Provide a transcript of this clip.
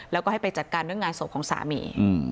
แล้วก็ให้ไปจัดการเรื่องงานศพของสามี